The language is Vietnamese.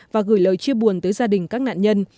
và gửi lời chia buồn tới gia đình các nạn nhân